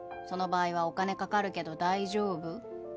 その場合はお金かかるけど大丈夫？